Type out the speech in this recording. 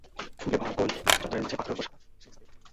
ফুলে ভরা গোল চত্বরের মাঝে পাথরের ওপর সাদা শেখ সাদীর ভাস্কর্য।